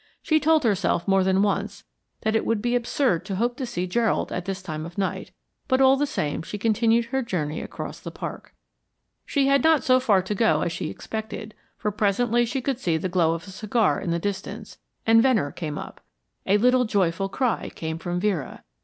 She told herself more than once that it would be absurd to hope to see Gerald at this time of night, but all the same she continued her journey across the park. She had not so far to go as she expected, for presently she could see the glow of a cigar in the distance, and Venner came up. A little joyful cry came from Vera.